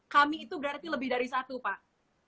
kami itu berarti lebih dari satu pak